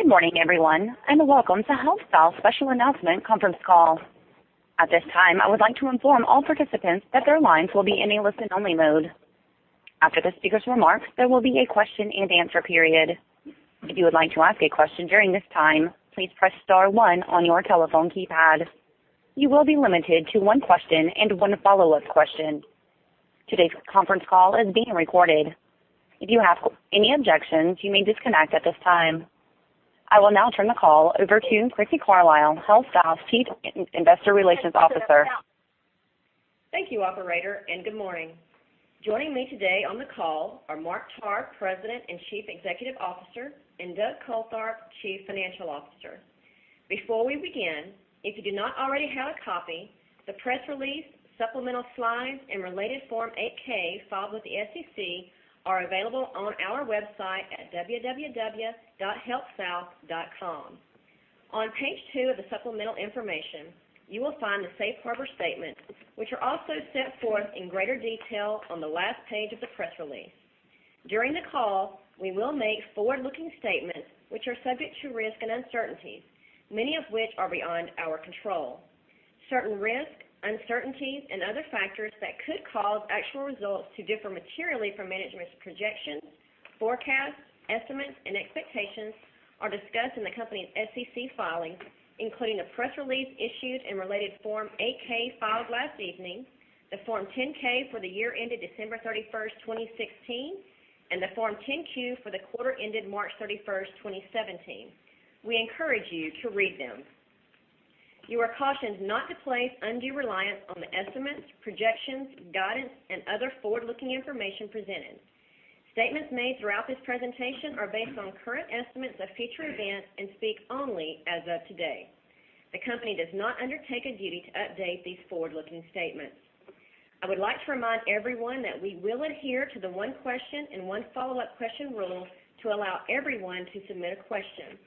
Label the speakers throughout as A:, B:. A: Good morning everyone, welcome to HealthSouth Special Announcement Conference Call. At this time, I would like to inform all participants that their lines will be in a listen-only mode. After the speaker's remarks, there will be a question and answer period. If you would like to ask a question during this time, please press star one on your telephone keypad. You will be limited to one question and one follow-up question. Today's conference call is being recorded. If you have any objections, you may disconnect at this time. I will now turn the call over to Crissy Carlisle, HealthSouth's Chief Investor Relations Officer.
B: Thank you, operator, good morning. Joining me today on the call are Mark Tarr, President and Chief Executive Officer, and Douglas Coltharp, Chief Financial Officer. Before we begin, if you do not already have a copy, the press release, supplemental slides, and related Form 8-K filed with the SEC are available on our website at www.healthsouth.com. On page two of the supplemental information, you will find the safe harbor statement, which are also set forth in greater detail on the last page of the press release. During the call, we will make forward-looking statements which are subject to risk and uncertainties, many of which are beyond our control. Certain risks, uncertainties, and other factors that could cause actual results to differ materially from management's projections, forecasts, estimates, and expectations are discussed in the company's SEC filings, including the press release issued and related Form 8-K filed last evening, the Form 10-K for the year ended December 31st, 2016, and the Form 10-Q for the quarter ended March 31st, 2017. We encourage you to read them. You are cautioned not to place undue reliance on the estimates, projections, guidance, and other forward-looking information presented. Statements made throughout this presentation are based on current estimates of future events and speak only as of today. The company does not undertake a duty to update these forward-looking statements. I would like to remind everyone that we will adhere to the one question and one follow-up question rule to allow everyone to submit a question.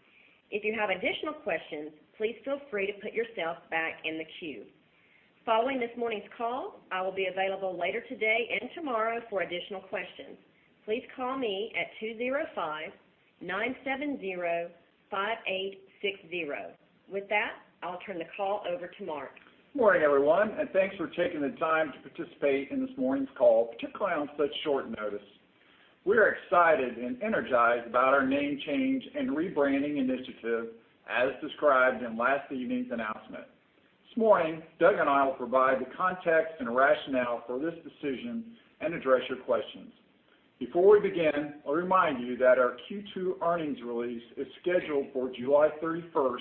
B: If you have additional questions, please feel free to put yourself back in the queue. Following this morning's call, I will be available later today and tomorrow for additional questions. Please call me at two zero five-nine seven zero-five eight six zero. With that, I'll turn the call over to Mark.
C: Good morning, everyone. Thanks for taking the time to participate in this morning's call, particularly on such short notice. We're excited and energized about our name change and rebranding initiative, as described in last evening's announcement. This morning, Doug and I will provide the context and rationale for this decision and address your questions. Before we begin, I'll remind you that our Q2 earnings release is scheduled for July 31st,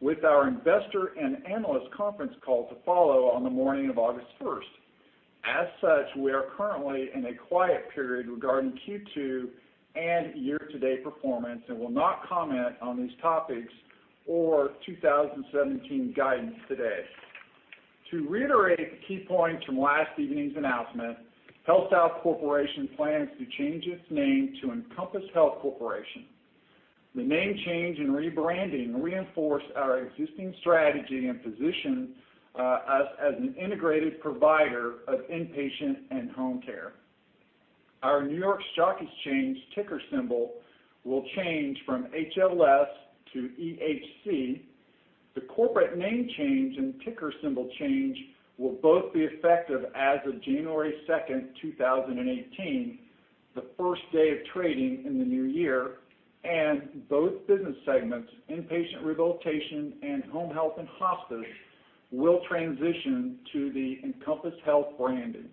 C: with our investor and analyst conference call to follow on the morning of August 1st. We are currently in a quiet period regarding Q2 and year-to-date performance and will not comment on these topics or 2017 guidance today. To reiterate the key points from last evening's announcement, HealthSouth Corporation plans to change its name to Encompass Health Corporation. The name change and rebranding reinforce our existing strategy and position us as an integrated provider of inpatient and home care. Our New York Stock Exchange ticker symbol will change from HLS to EHC. The corporate name change and ticker symbol change will both be effective as of January 2nd, 2018, the first day of trading in the new year. Both business segments, inpatient rehabilitation and home health and hospice, will transition to the Encompass Health branding.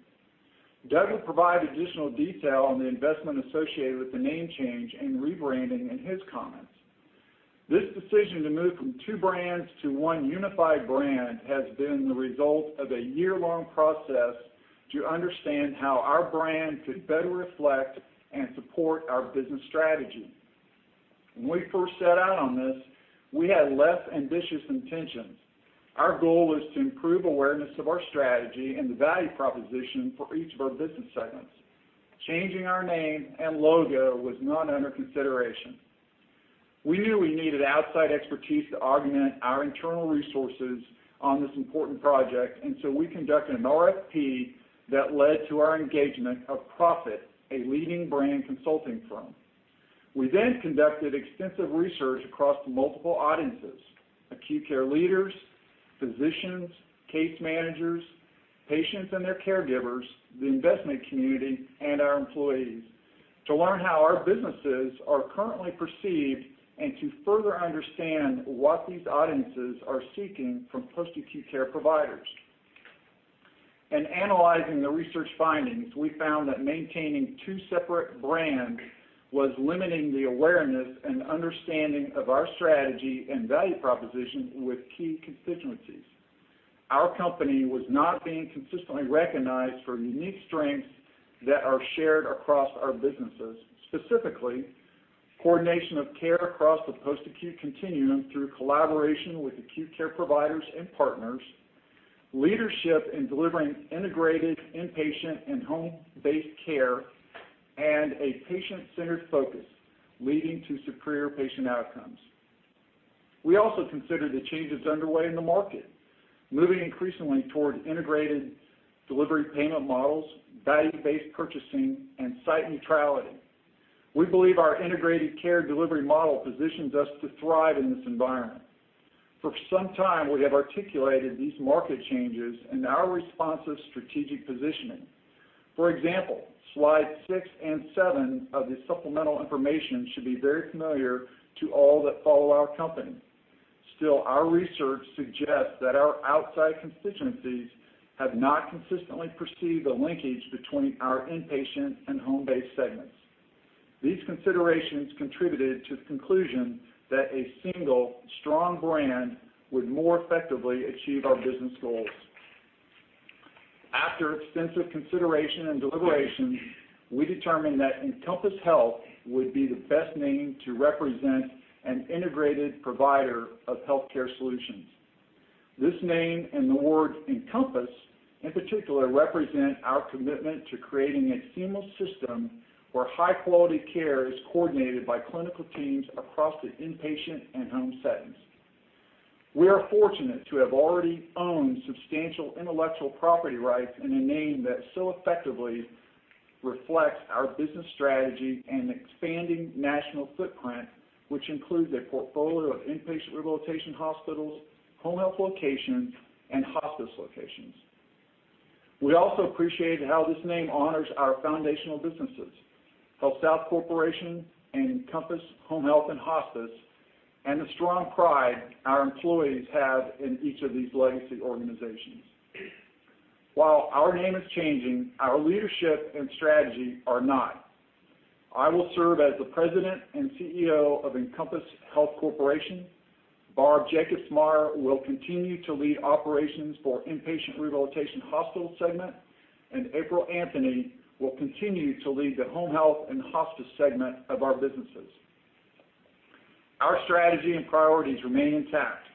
C: Doug will provide additional detail on the investment associated with the name change and rebranding in his comments. This decision to move from two brands to one unified brand has been the result of a year-long process to understand how our brand could better reflect and support our business strategy. When we first set out on this, we had less ambitious intentions. Our goal was to improve awareness of our strategy and the value proposition for each of our business segments. Changing our name and logo was not under consideration. We knew we needed outside expertise to augment our internal resources on this important project. We conducted an RFP that led to our engagement of Prophet, a leading brand consulting firm. We conducted extensive research across multiple audiences, acute care leaders, physicians, case managers, patients and their caregivers, the investment community, and our employees, to learn how our businesses are currently perceived and to further understand what these audiences are seeking from post-acute care providers. In analyzing the research findings, we found that maintaining two separate brands was limiting the awareness and understanding of our strategy and value proposition with key constituencies. Our company was not being consistently recognized for unique strengths that are shared across our businesses, specifically coordination of care across the post-acute continuum through collaboration with acute care providers and partners, leadership in delivering integrated inpatient and home-based care, and a patient-centered focus leading to superior patient outcomes. We also considered the changes underway in the market, moving increasingly towards integrated delivery payment models, value-based purchasing, and site neutrality. We believe our integrated care delivery model positions us to thrive in this environment. For some time, we have articulated these market changes and our responsive strategic positioning. For example, slides six and seven of the supplemental information should be very familiar to all that follow our company. Our research suggests that our outside constituencies have not consistently perceived the linkage between our inpatient and home-based segments. These considerations contributed to the conclusion that a single strong brand would more effectively achieve our business goals. After extensive consideration and deliberation, we determined that Encompass Health would be the best name to represent an integrated provider of healthcare solutions. This name and the word encompass, in particular, represent our commitment to creating a seamless system where high-quality care is coordinated by clinical teams across the inpatient and home settings. We are fortunate to have already owned substantial intellectual property rights and a name that so effectively reflects our business strategy and expanding national footprint, which includes a portfolio of inpatient rehabilitation hospitals, home health locations, and hospice locations. We also appreciate how this name honors our foundational businesses, HealthSouth Corporation and Encompass Home Health and Hospice, and the strong pride our employees have in each of these legacy organizations. While our name is changing, our leadership and strategy are not. I will serve as the President and CEO of Encompass Health Corporation. Barb Jacobsmeyer will continue to lead operations for inpatient rehabilitation hospital segment, and April Anthony will continue to lead the home health and hospice segment of our businesses. Our strategy and priorities remain intact.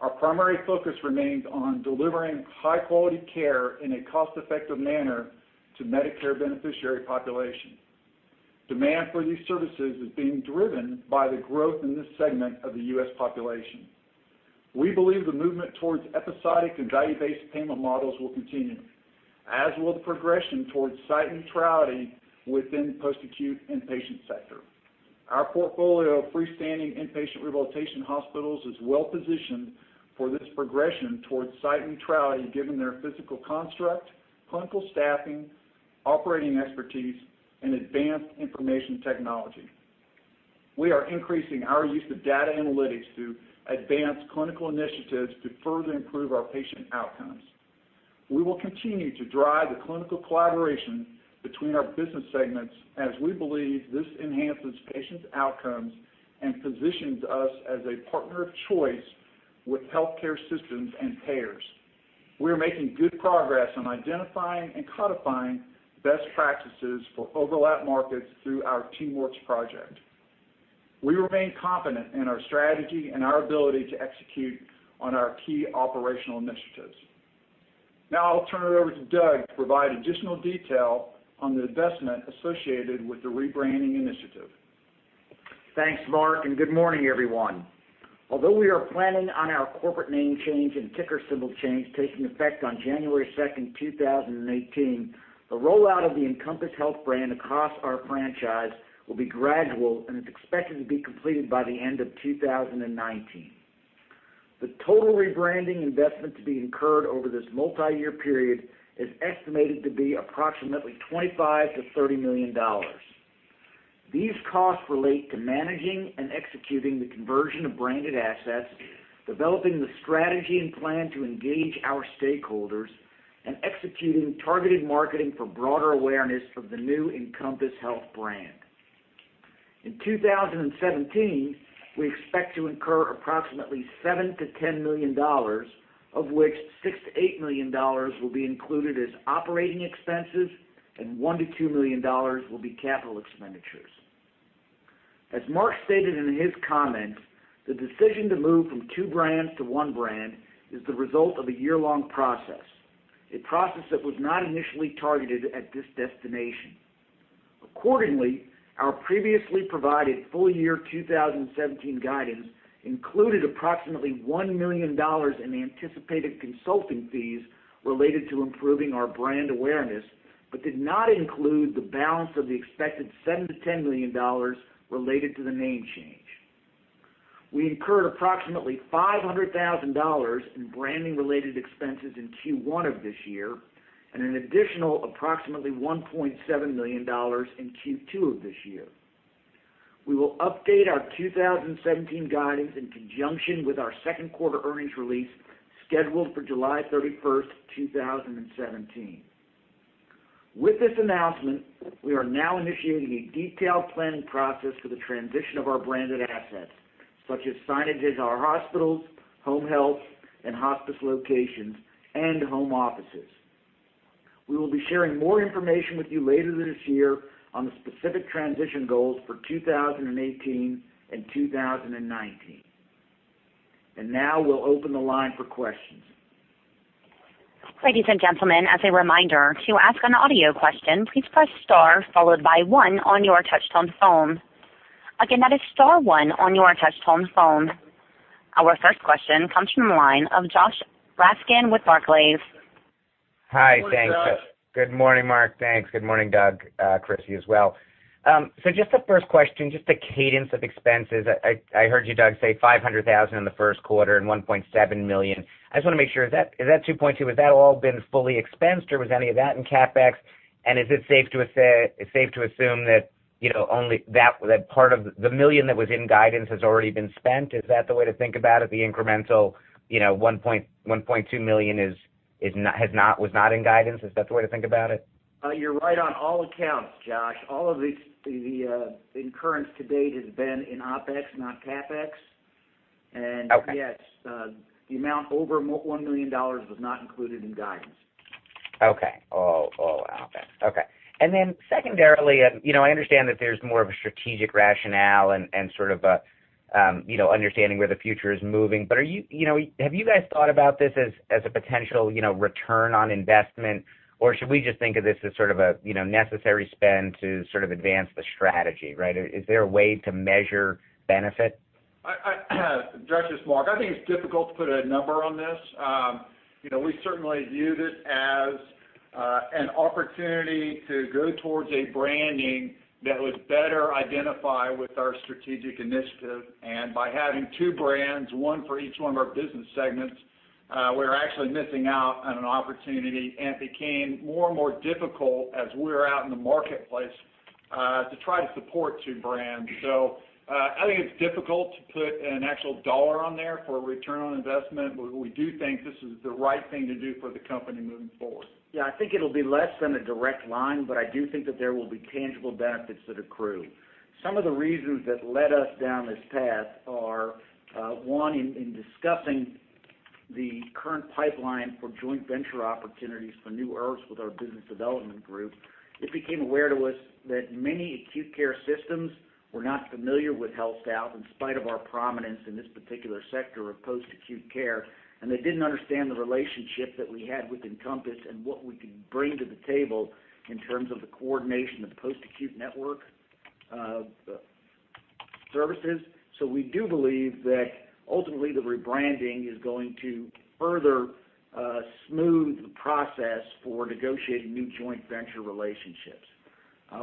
C: Our primary focus remains on delivering high-quality care in a cost-effective manner to Medicare beneficiary population. Demand for these services is being driven by the growth in this segment of the U.S. population. We believe the movement towards episodic and value-based payment models will continue, as will the progression towards site neutrality within the post-acute inpatient sector. Our portfolio of freestanding inpatient rehabilitation hospitals is well-positioned for this progression towards site neutrality, given their physical construct, clinical staffing, operating expertise, and advanced information technology. We are increasing our use of data analytics to advance clinical initiatives to further improve our patient outcomes. We will continue to drive the clinical collaboration between our business segments as we believe this enhances patients' outcomes and positions us as a partner of choice with healthcare systems and payers. We are making good progress on identifying and codifying best practices for overlap markets through our TeamWorks project. We remain confident in our strategy and our ability to execute on our key operational initiatives. Now I'll turn it over to Doug to provide additional detail on the investment associated with the rebranding initiative.
D: Thanks, Mark, good morning, everyone. Although we are planning on our corporate name change and ticker symbol change taking effect on January second, 2018, the rollout of the Encompass Health brand across our franchise will be gradual and is expected to be completed by the end of 2019. The total rebranding investment to be incurred over this multi-year period is estimated to be approximately $25 million-$30 million. These costs relate to managing and executing the conversion of branded assets, developing the strategy and plan to engage our stakeholders, and executing targeted marketing for broader awareness of the new Encompass Health brand. In 2017, we expect to incur approximately $7 million-$10 million, of which $6 million-$8 million will be included as operating expenses and $1 million-$2 million will be capital expenditures. As Mark stated in his comments, the decision to move from two brands to one brand is the result of a year-long process, a process that was not initially targeted at this destination. Accordingly, our previously provided full-year 2017 guidance included approximately $1 million in anticipated consulting fees related to improving our brand awareness, but did not include the balance of the expected $7 million-$10 million related to the name change. We incurred approximately $500,000 in branding-related expenses in Q1 of this year, and an additional approximately $1.7 million in Q2 of this year. We will update our 2017 guidance in conjunction with our second quarter earnings release scheduled for July 31st, 2017. With this announcement, we are now initiating a detailed planning process for the transition of our branded assets, such as signages at our hospitals, home health and hospice locations, and home offices. We will be sharing more information with you later this year on the specific transition goals for 2018 and 2019. Now we'll open the line for questions.
A: Ladies and gentlemen, as a reminder, to ask an audio question, please press star followed by one on your touch-tone phone. Again, that is star-one on your touch-tone phone. Our first question comes from the line of Joshua Raskin with Barclays.
E: Hi. Thanks.
C: Morning, Josh.
E: Good morning, Mark. Thanks. Good morning, Doug, Crissy, you as well. Just the first question, just the cadence of expenses. I heard you, Doug, say $500,000 in the first quarter and $1.7 million. I just want to make sure, is that $2.2 million, has that all been fully expensed, or was any of that in CapEx? Is it safe to assume that the $1 million that was in guidance has already been spent? Is that the way to think about it, the incremental $1.2 million was not in guidance? Is that the way to think about it?
D: You're right on all accounts, Josh. All of the incurrence to date has been in OpEx, not CapEx. Okay. Yes, the amount over $1 million was not included in guidance.
E: Okay. All OpEx. Okay. Secondarily, I understand that there's more of a strategic rationale and sort of understanding where the future is moving. Have you guys thought about this as a potential return on investment? Should we just think of this as sort of a necessary spend to sort of advance the strategy, right? Is there a way to measure benefit?
C: Josh, it's Mark. I think it's difficult to put a number on this. We certainly view this as an opportunity to go towards a branding that would better identify with our strategic initiative. By having two brands, one for each one of our business segments, we're actually missing out on an opportunity. It became more and more difficult as we're out in the marketplace to try to support two brands. I think it's difficult to put an actual dollar on there for a return on investment, we do think this is the right thing to do for the company moving forward.
D: Yeah. I think it'll be less than a direct line, I do think that there will be tangible benefits that accrue. Some of the reasons that led us down this path are, one, in discussing the current pipeline for joint venture opportunities for new IRFs with our business development group, it became aware to us that many acute care systems were not familiar with HealthSouth, in spite of our prominence in this particular sector of post-acute care, and they didn't understand the relationship that we had with Encompass and what we could bring to the table in terms of the coordination of post-acute network services. We do believe that ultimately the rebranding is going to further smooth the process for negotiating new joint venture relationships.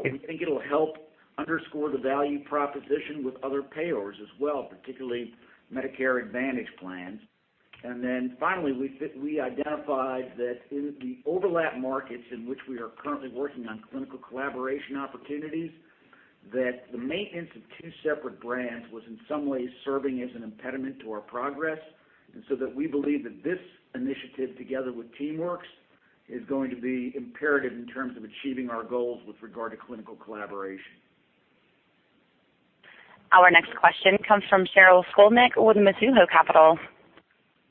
D: We think it'll help underscore the value proposition with other payers as well, particularly Medicare Advantage plans. Finally, we identified that in the overlap markets in which we are currently working on clinical collaboration opportunities, that the maintenance of two separate brands was in some ways serving as an impediment to our progress. We believe that this initiative, together with TeamWorks, is going to be imperative in terms of achieving our goals with regard to clinical collaboration.
A: Our next question comes from Sheryl Skolnick with Mizuho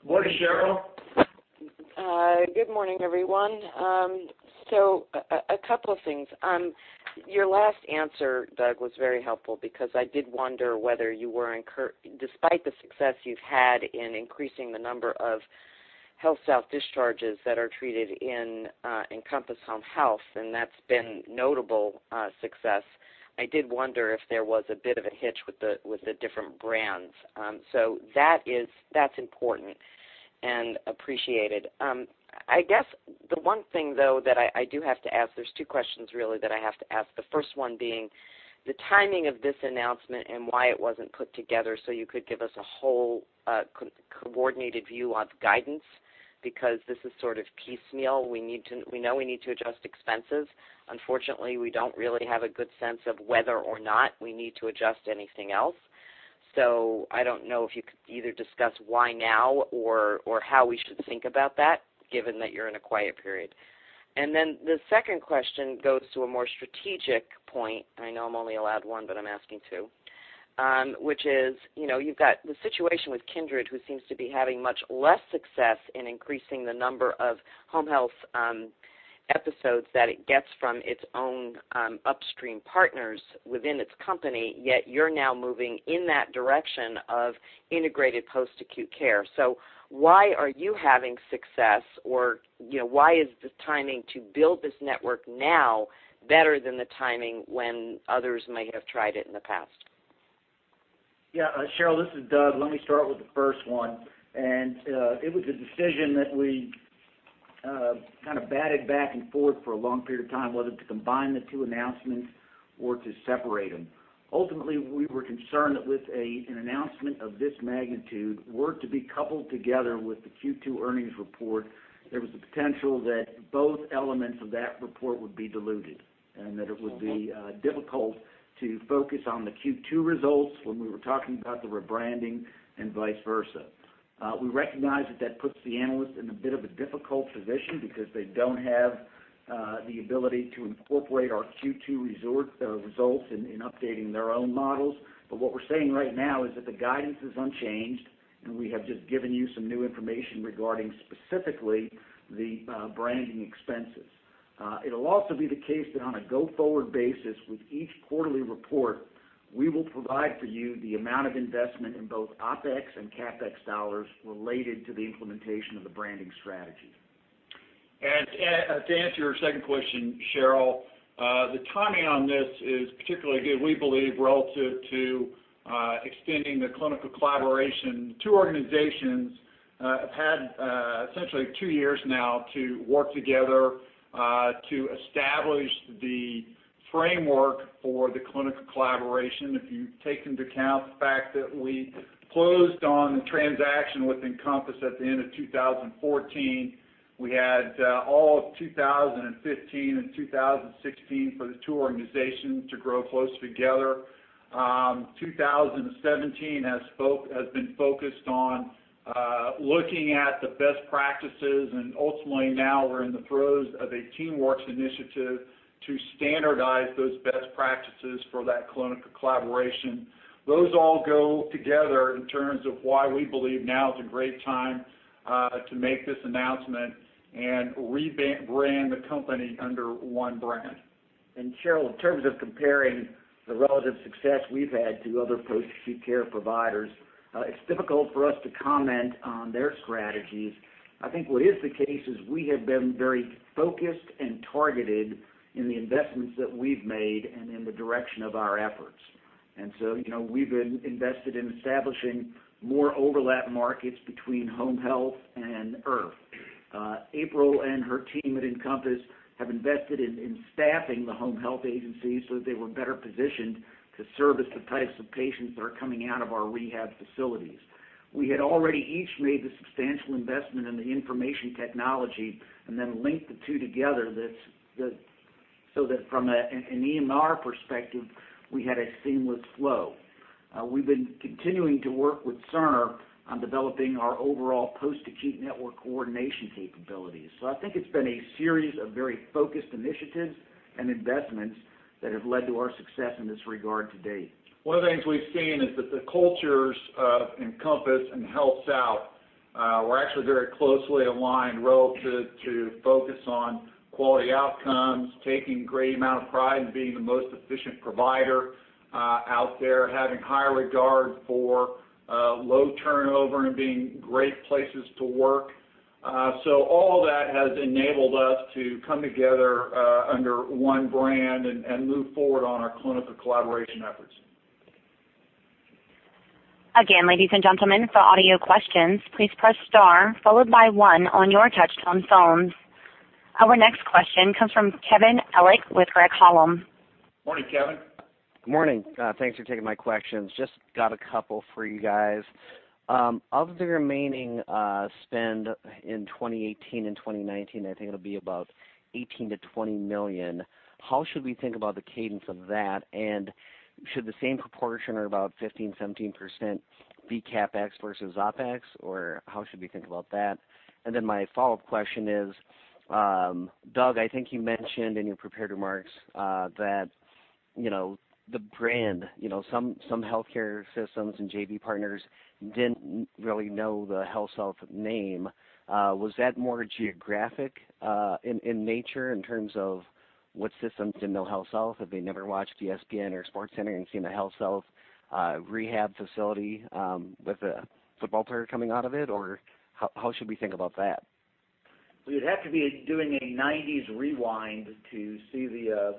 A: Securities.
C: Morning, Sheryl.
F: Good morning, everyone. A couple of things. Your last answer, Doug, was very helpful because I did wonder whether, despite the success you've had in increasing the number of HealthSouth discharges that are treated in Encompass Home Health, and that's been notable success, I did wonder if there was a bit of a hitch with the different brands. That's important and appreciated. I guess the one thing, though, that I do have to ask, there's two questions really that I have to ask. The first one being the timing of this announcement and why it wasn't put together so you could give us a whole coordinated view on guidance, because this is sort of piecemeal. We know we need to adjust expenses. Unfortunately, we don't really have a good sense of whether or not we need to adjust anything else. I don't know if you could either discuss why now or how we should think about that, given that you're in a quiet period. The second question goes to a more strategic point. I know I'm only allowed one, but I'm asking two, which is, you've got the situation with Kindred, who seems to be having much less success in increasing the number of home health episodes that it gets from its own upstream partners within its company, yet you're now moving in that direction of integrated post-acute care. Why are you having success? Why is the timing to build this network now better than the timing when others may have tried it in the past?
D: Yeah. Sheryl, this is Doug. Let me start with the first one. It was a decision that we kind of batted back and forth for a long period of time, whether to combine the two announcements or to separate them. Ultimately, we were concerned that with an announcement of this magnitude, were it to be coupled together with the Q2 earnings report, there was the potential that both elements of that report would be diluted, and that it would be difficult to focus on the Q2 results when we were talking about the rebranding and vice versa. We recognize that that puts the analyst in a bit of a difficult position because they don't have the ability to incorporate our Q2 results in updating their own models. What we're saying right now is that the guidance is unchanged, and we have just given you some new information regarding specifically the branding expenses. It'll also be the case that on a go-forward basis with each quarterly report we will provide for you the amount of investment in both OpEx and CapEx dollars related to the implementation of the branding strategy.
C: To answer your second question, Sheryl, the timing on this is particularly good, we believe, relative to extending the clinical collaboration. Two organizations have had essentially two years now to work together to establish the framework for the clinical collaboration. If you take into account the fact that we closed on the transaction with Encompass Home Health at the end of 2014, we had all of 2015 and 2016 for the two organizations to grow close together. 2017 has been focused on looking at the best practices and ultimately now we're in the throes of a TeamWorks initiative to standardize those best practices for that clinical collaboration. Those all go together in terms of why we believe now is a great time to make this announcement and rebrand the company under one brand.
D: Sheryl, in terms of comparing the relative success we've had to other post-acute care providers, it's difficult for us to comment on their strategies. I think what is the case is we have been very focused and targeted in the investments that we've made and in the direction of our efforts. So, we've been invested in establishing more overlap markets between home health and IRF. April and her team at Encompass have invested in staffing the home health agencies so that they were better positioned to service the types of patients that are coming out of our rehab facilities. We had already each made the substantial investment in the information technology and then linked the two together, so that from an EMR perspective, we had a seamless flow. We've been continuing to work with Cerner on developing our overall post-acute network coordination capabilities. I think it's been a series of very focused initiatives and investments that have led to our success in this regard to date.
C: One of the things we've seen is that the cultures of Encompass and HealthSouth were actually very closely aligned relative to focus on quality outcomes, taking a great amount of pride in being the most efficient provider out there, having high regard for low turnover, and being great places to work. All of that has enabled us to come together under one brand and move forward on our clinical collaboration efforts.
A: Again, ladies and gentlemen, for audio questions, please press star followed by one on your touch-tone phones. Our next question comes from Kevin Ellich with Craig-Hallum.
D: Morning, Kevin.
G: Good morning. Thanks for taking my questions. Just got a couple for you guys. Of the remaining spend in 2018 and 2019, I think it'll be about $18 million-$20 million. How should we think about the cadence of that? Should the same proportion or about 15%-17% be CapEx versus OpEx? How should we think about that? My follow-up question is, Doug, I think you mentioned in your prepared remarks that the brand, some healthcare systems and JV partners didn't really know the HealthSouth name. Was that more geographic in nature in terms of what systems didn't know HealthSouth? Had they never watched ESPN or SportsCenter and seen a HealthSouth rehab facility with a football player coming out of it? How should we think about that?
D: We'd have to be doing a '90s rewind to see the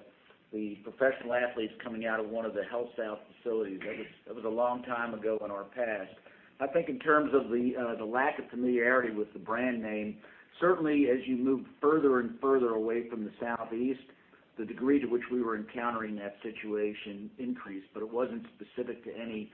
D: professional athletes coming out of one of the HealthSouth facilities. That was a long time ago in our past. I think in terms of the lack of familiarity with the brand name, certainly as you move further and further away from the Southeast, the degree to which we were encountering that situation increased, but it wasn't specific to any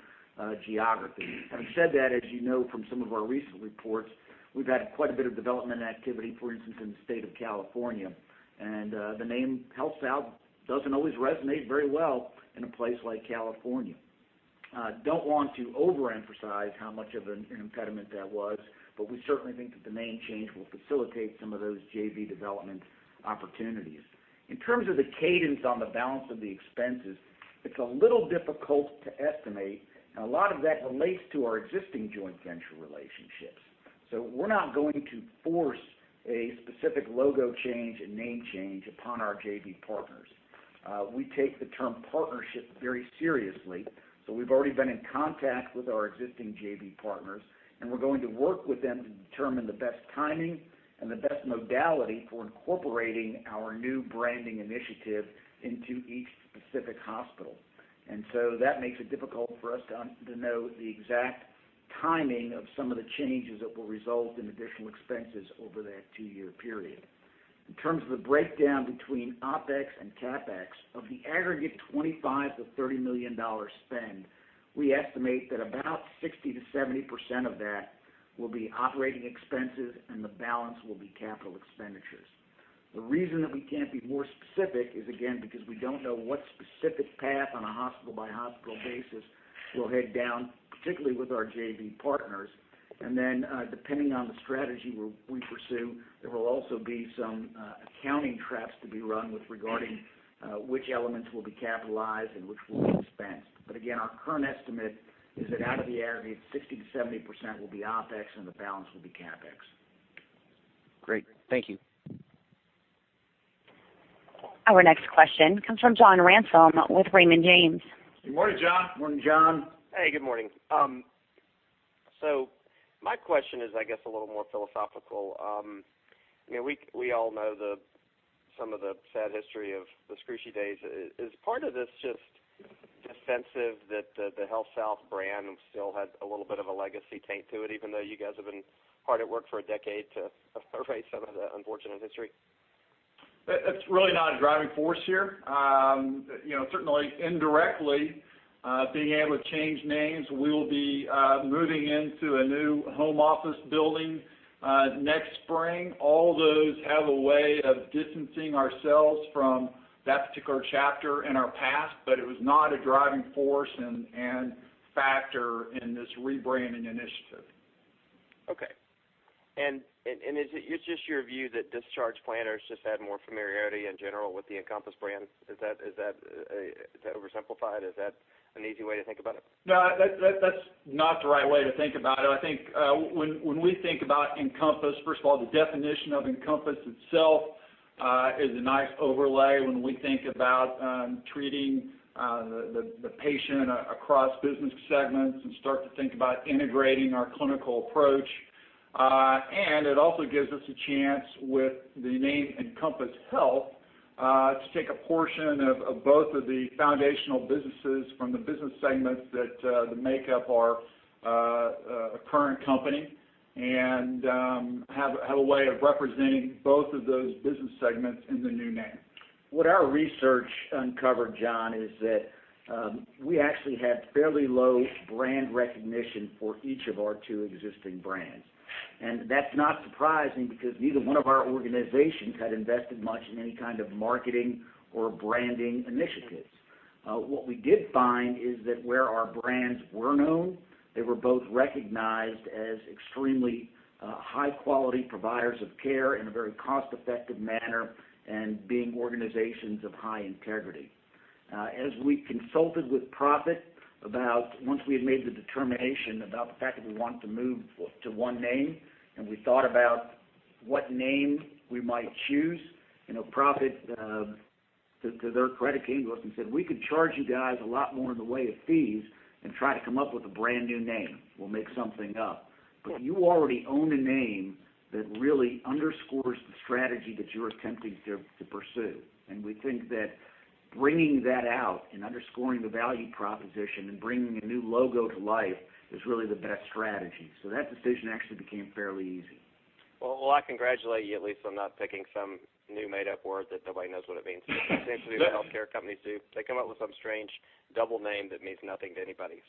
D: geography. Having said that, as you know from some of our recent reports, we've had quite a bit of development activity, for instance, in the state of California, and the name HealthSouth doesn't always resonate very well in a place like California. Don't want to overemphasize how much of an impediment that was, but we certainly think that the name change will facilitate some of those JV development opportunities. In terms of the cadence on the balance of the expenses, it's a little difficult to estimate, and a lot of that relates to our existing joint venture relationships. We're not going to force a specific logo change and name change upon our JV partners. We take the term partnership very seriously, so we've already been in contact with our existing JV partners, and we're going to work with them to determine the best timing and the best modality for incorporating our new branding initiative into each specific hospital. That makes it difficult for us to know the exact timing of some of the changes that will result in additional expenses over that two-year period. In terms of the breakdown between OpEx and CapEx, of the aggregate $25 million-$30 million spend, we estimate that about 60%-70% of that will be operating expenses, and the balance will be capital expenditures. The reason that we can't be more specific is, again, because we don't know what specific path on a hospital-by-hospital basis we'll head down, particularly with our JV partners. Depending on the strategy we pursue, there will also be some accounting traps to be run with regarding which elements will be capitalized and which will be expensed. Again, our current estimate is that out of the aggregate, 60%-70% will be OpEx and the balance will be CapEx.
G: Great. Thank you.
A: Our next question comes from John Ransom with Raymond James.
C: Good morning, John.
D: Morning, John.
H: Hey, good morning. My question is, I guess, a little more philosophical. We all know some of the sad history of the Scrushy days. Is part of this just defensive that the HealthSouth brand still has a little bit of a legacy taint to it, even though you guys have been hard at work for a decade to erase some of the unfortunate history?
C: It's really not a driving force here. Certainly indirectly, being able to change names, we will be moving into a new home office building next spring. All those have a way of distancing ourselves from that particular chapter in our past, it was not a driving force and factor in this rebranding initiative.
H: Okay. Is it just your view that discharge planners just had more familiarity in general with the Encompass brand? Is that oversimplified? Is that an easy way to think about it?
C: No, that's not the right way to think about it. I think when we think about Encompass, first of all, the definition of Encompass itself is a nice overlay when we think about treating the patient across business segments and start to think about integrating our clinical approach. It also gives us a chance with the name Encompass Health, to take a portion of both of the foundational businesses from the business segments that make up our current company and have a way of representing both of those business segments in the new name.
D: What our research uncovered, John, is that we actually had fairly low brand recognition for each of our two existing brands. That's not surprising because neither one of our organizations had invested much in any kind of marketing or branding initiatives. What we did find is that where our brands were known, they were both recognized as extremely high-quality providers of care in a very cost-effective manner and being organizations of high integrity. As we consulted with Prophet about once we had made the determination about the fact that we wanted to move to one name, and we thought about what name we might choose, Prophet, to their credit, came to us and said, "We could charge you guys a lot more in the way of fees and try to come up with a brand new name. We'll make something up. You already own a name that really underscores the strategy that you're attempting to pursue. We think that bringing that out and underscoring the value proposition and bringing a new logo to life is really the best strategy." That decision actually became fairly easy.
H: Well, I congratulate you at least on not picking some new made-up word that nobody knows what it means. Essentially what healthcare companies do, they come up with some strange double name that means nothing to anybody.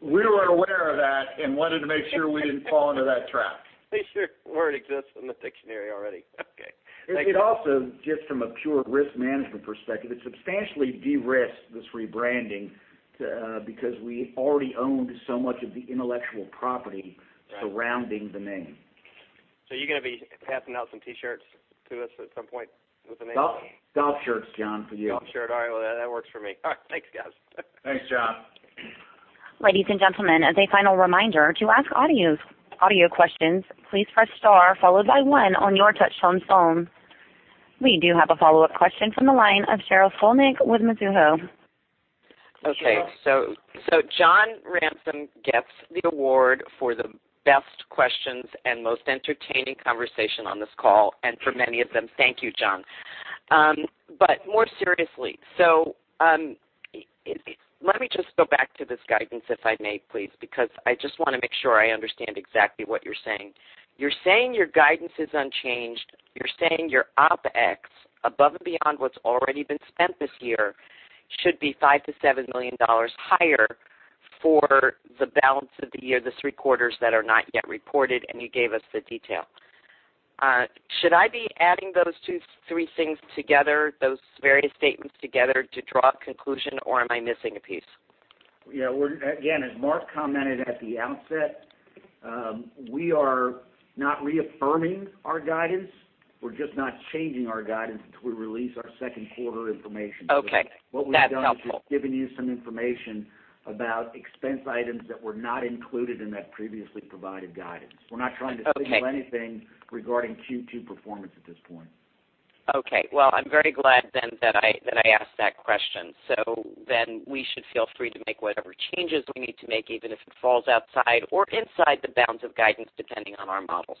C: We were aware of that and wanted to make sure we didn't fall into that trap.
H: Make sure the word exists in the dictionary already. Okay. Thank you.
D: It also, just from a pure risk management perspective, it substantially de-risked this rebranding because we already owned so much of the intellectual property surrounding the name.
H: You're going to be passing out some T-shirts to us at some point with the name on them?
D: Golf shirts, John, for you.
H: Golf shirt. All right, well, that works for me. All right, thanks, guys.
C: Thanks, John.
A: Ladies and gentlemen, as a final reminder to ask audio questions, please press star followed by one on your touch-tone phone. We do have a follow-up question from the line of Sheryl Skolnick with Mizuho.
F: Okay. John Ransom gets the award for the best questions and most entertaining conversation on this call. For many of them, thank you, John. More seriously, let me just go back to this guidance, if I may, please, because I just want to make sure I understand exactly what you're saying. You're saying your guidance is unchanged. You're saying your OpEx above and beyond what's already been spent this year should be $5 million-$7 million higher for the balance of the year, the three quarters that are not yet reported, and you gave us the detail. Should I be adding those two, three things together, those various statements together to draw a conclusion, or am I missing a piece?
D: Yeah. Again, as Mark Tarr commented at the outset, we are not reaffirming our guidance. We're just not changing our guidance until we release our second quarter information.
F: Okay. That's helpful.
D: What we've done is just given you some information about expense items that were not included in that previously provided guidance.
F: Okay.
D: We're not trying to signal anything regarding Q2 performance at this point.
F: I'm very glad then that I asked that question. We should feel free to make whatever changes we need to make, even if it falls outside or inside the bounds of guidance, depending on our models.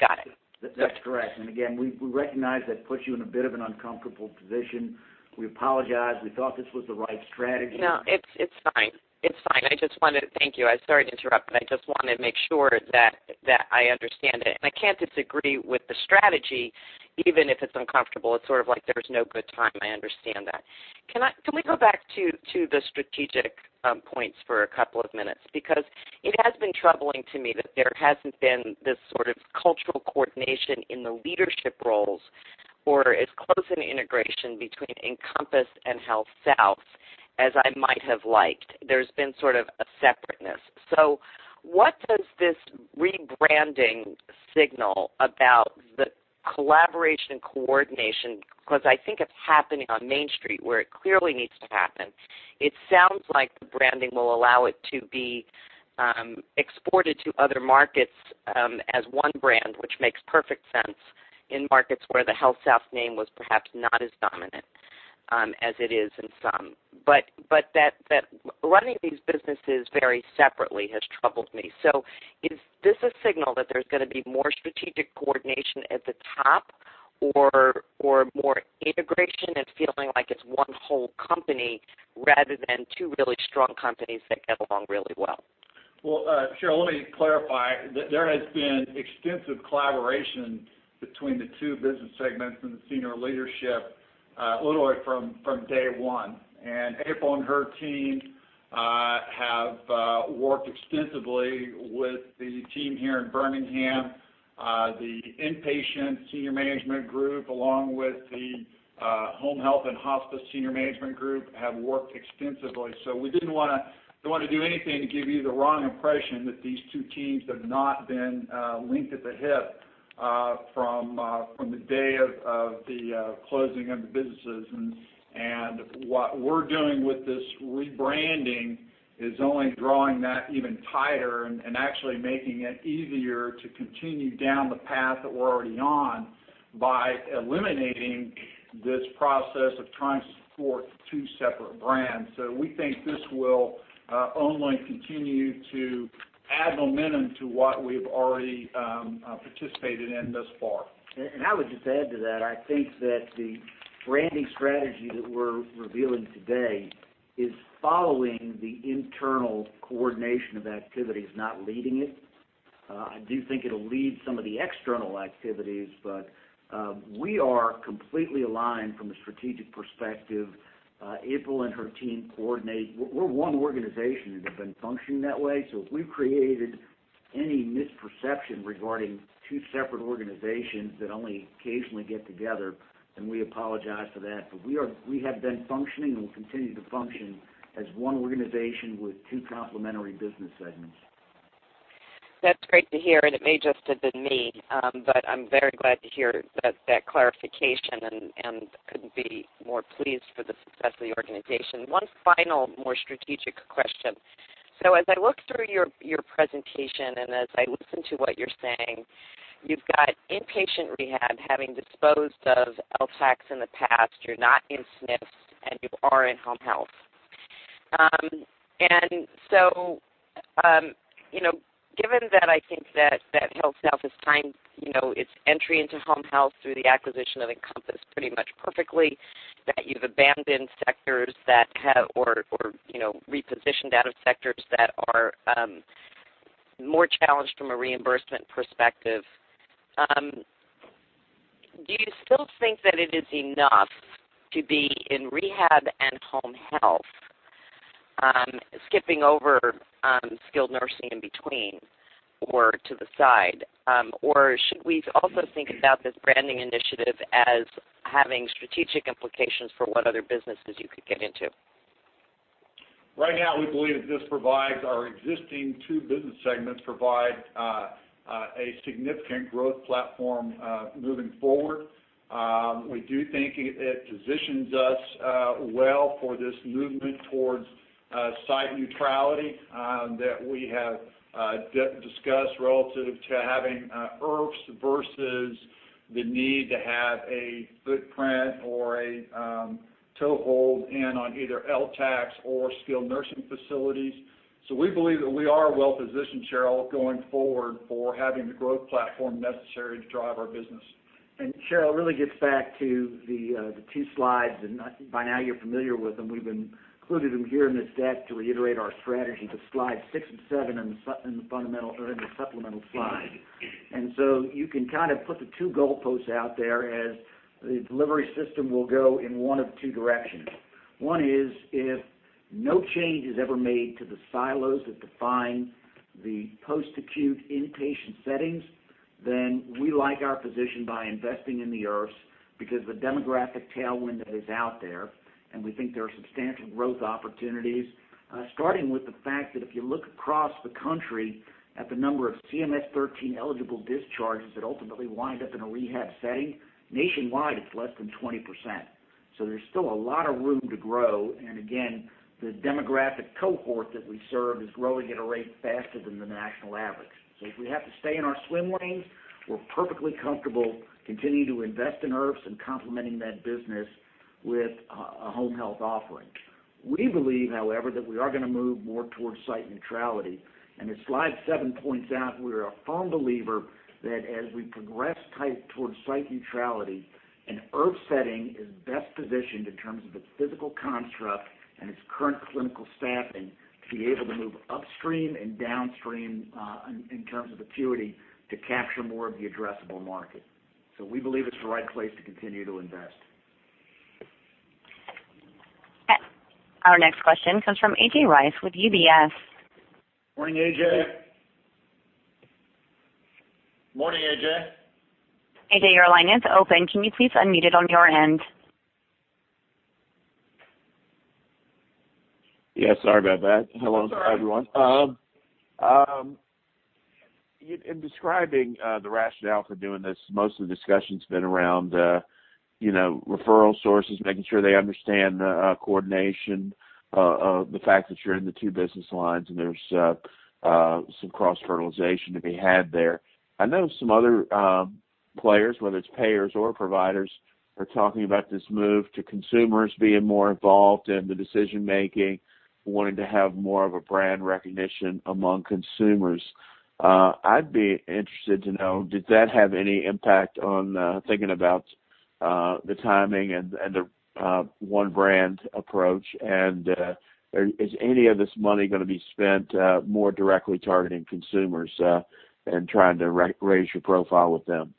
F: Got it.
D: That's correct. We recognize that puts you in a bit of an uncomfortable position. We apologize. We thought this was the right strategy.
F: It's fine. It's fine. Thank you. Sorry to interrupt, I just want to make sure that I understand it. I can't disagree with the strategy, even if it's uncomfortable. It's sort of like there's no good time. I understand that. Can we go back to the strategic points for a couple of minutes? It has been troubling to me that there hasn't been this sort of cultural coordination in the leadership roles or as close in integration between Encompass and HealthSouth as I might have liked. There's been sort of a separateness. What does this rebranding signal about the collaboration and coordination? I think it's happening on Main Street where it clearly needs to happen. It sounds like the branding will allow it to be exported to other markets as one brand, which makes perfect sense in markets where the HealthSouth name was perhaps not as dominant as it is in some. That running these businesses very separately has troubled me. Is this a signal that there's going to be more strategic coordination at the top or more integration and feeling like it's one whole company rather than two really strong companies that get along really well?
C: Well, Sheryl, let me clarify. There has been extensive collaboration between the two business segments and the senior leadership literally from day one. April and her team have worked extensively with the team here in Birmingham. The inpatient senior management group, along with the Home Health and Hospice senior management group, have worked extensively. We didn't want to do anything to give you the wrong impression that these two teams have not been linked at the hip from the day of the closing of the businesses. What we're doing with this rebranding is only drawing that even tighter and actually making it easier to continue down the path that we're already on by eliminating this process of trying to support two separate brands. We think this will only continue to add momentum to what we've already participated in thus far.
D: I would just add to that, I think that the branding strategy that we're revealing today is following the internal coordination of activities, not leading it. I do think it'll lead some of the external activities, we are completely aligned from a strategic perspective. April and her team coordinate. We're one organization and have been functioning that way. If we've created any misperception regarding two separate organizations that only occasionally get together, then we apologize for that. We have been functioning and will continue to function as one organization with two complementary business segments.
F: That's great to hear, it may just have been me, but I'm very glad to hear that clarification and couldn't be more pleased for the success of the organization. One final, more strategic question. As I look through your presentation and as I listen to what you're saying, you've got inpatient rehab having disposed of LTACs in the past. You're not in SNFs, and you are in Home Health. Given that I think that HealthSouth has timed its entry into Home Health through the acquisition of Encompass pretty much perfectly, that you've abandoned sectors that have or repositioned out of sectors that are more challenged from a reimbursement perspective, do you still think that it is enough to be in rehab and Home Health, skipping over skilled nursing in between or to the side? Should we also think about this branding initiative as having strategic implications for what other businesses you could get into?
C: Right now, we believe our existing two business segments provide a significant growth platform moving forward. We do think it positions us well for this movement towards site neutrality that we have discussed relative to having IRFs versus the need to have a footprint or a toehold in on either LTACs or Skilled Nursing Facilities. We believe that we are well-positioned, Sheryl, going forward for having the growth platform necessary to drive our business.
D: Sheryl, it really gets back to the two slides, and I think by now you're familiar with them. We've included them here in this deck to reiterate our strategy. The slides six and seven are in the supplemental slide. You can kind of put the two goalposts out there as the delivery system will go in one of two directions. One is if no change is ever made to the silos that define the post-acute inpatient settings, then we like our position by investing in the IRFs because the demographic tailwind is out there, and we think there are substantial growth opportunities. Starting with the fact that if you look across the country at the number of CMS 13 eligible discharges that ultimately wind up in a rehab setting, nationwide, it's less than 20%. There's still a lot of room to grow, and again, the demographic cohort that we serve is growing at a rate faster than the national average. If we have to stay in our swim lanes, we're perfectly comfortable continuing to invest in IRFs and complementing that business with a home health offering. We believe, however, that we are going to move more towards site neutrality, and as slide seven points out, we are a firm believer that as we progress towards site neutrality, an IRF setting is best positioned in terms of its physical construct and its current clinical staffing to be able to move upstream and downstream in terms of acuity to capture more of the addressable market. We believe it's the right place to continue to invest.
A: Our next question comes from A.J. Rice with UBS.
C: Morning, A.J.
D: Morning, A.J.
A: A.J., your line is open. Can you please unmute it on your end?
I: Yeah, sorry about that.
D: It's all right.
I: Hello everyone. In describing the rationale for doing this, most of the discussion's been around referral sources, making sure they understand the coordination of the fact that you're in the two business lines and there's some cross-fertilization to be had there. I know some other players, whether it's payers or providers We're talking about this move to consumers being more involved in the decision-making, wanting to have more of a brand recognition among consumers. I'd be interested to know, did that have any impact on thinking about the timing and the one brand approach? Is any of this money going to be spent more directly targeting consumers and trying to raise your profile with them?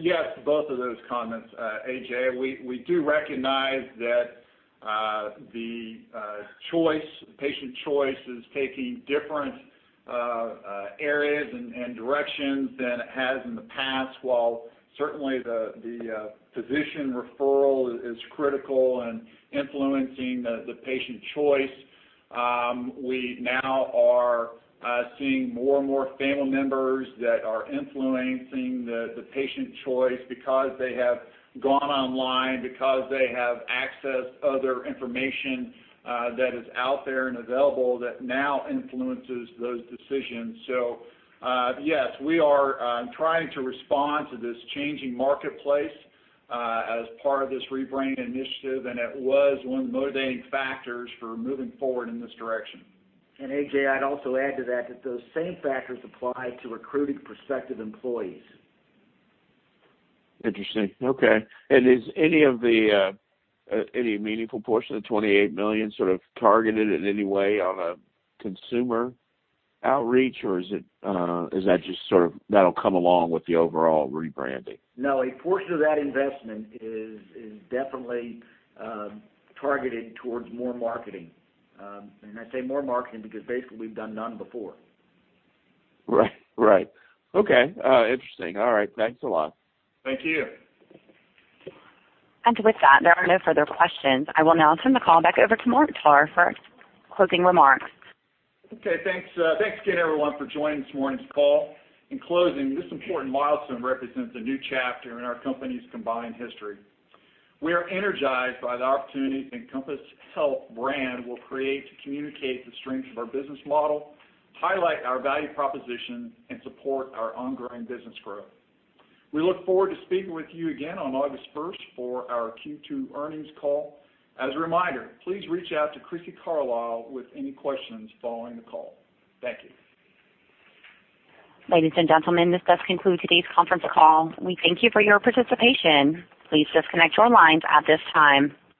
C: Yes, both of those comments, A.J. We do recognize that the patient choice is taking different areas and directions than it has in the past. While certainly the physician referral is critical and influencing the patient choice, we now are seeing more and more family members that are influencing the patient choice because they have gone online, because they have accessed other information that is out there and available that now influences those decisions. Yes, we are trying to respond to this changing marketplace as part of this rebranding initiative, and it was one of the motivating factors for moving forward in this direction.
D: A.J., I'd also add to that those same factors apply to recruiting prospective employees.
I: Is any meaningful portion of the $28 million targeted in any way on a consumer outreach, or is that just that'll come along with the overall rebranding?
D: No, a portion of that investment is definitely targeted towards more marketing. I say more marketing because basically we've done none before.
I: Right. Okay. Interesting. All right. Thanks a lot.
C: Thank you.
A: With that, there are no further questions. I will now turn the call back over to Mark Tarr for closing remarks.
C: Okay. Thanks again, everyone, for joining this morning's call. In closing, this important milestone represents a new chapter in our company's combined history. We are energized by the opportunities the Encompass Health brand will create to communicate the strengths of our business model, highlight our value proposition, and support our ongoing business growth. We look forward to speaking with you again on August 1st for our Q2 earnings call. As a reminder, please reach out to Crissy Carlisle with any questions following the call. Thank you.
A: Ladies and gentlemen, this does conclude today's conference call. We thank you for your participation. Please disconnect your lines at this time.